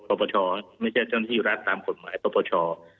ปปชไม่ใช่เจ้าหน้าที่รัฐตามกฎหมายปปช